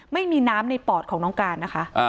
ไม่มีน้ำในปอดของน้องการนะคะ